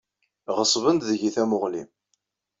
Ɣeṣben-d deg-i tamuɣli.